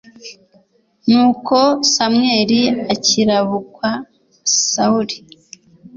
nuko samweli akirabukwa sawuli